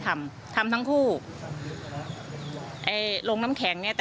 เข้ามาหายไปเมื่อไหร่ทำงานล่ะ